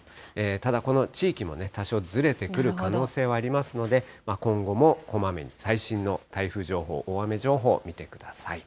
ただこの地域も多少ずれてくる可能性はありますので、今後もこまめに、最新の台風情報、大雨情報、見てください。